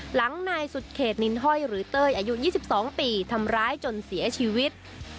หลังนายสุดเขตนินห้อยหรือเต้ยอายุ๒๒ปีทำร้ายจนเสียชีวิต